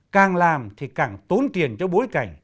càng làm thì càng tốn tiền cho bối cảnh